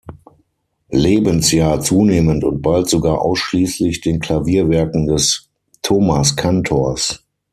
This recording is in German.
Lebensjahr zunehmend und bald sogar ausschließlich den Klavierwerken des Thomaskantors.